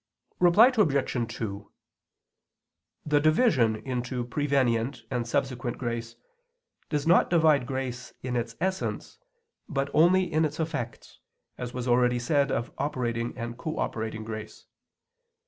Reply Obj. 2: The division into prevenient and subsequent grace does not divide grace in its essence, but only in its effects, as was already said of operating and cooperating grace.